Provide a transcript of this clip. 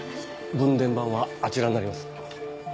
分電盤はあちらになります。